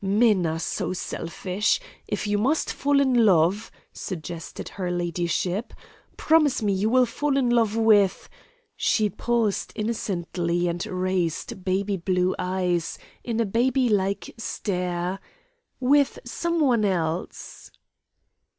Men are so selfish! If you must fall in love," suggested her ladyship, "promise me you will fall in love with" she paused innocently and raised baby blue eyes, in a baby like stare "with some one else."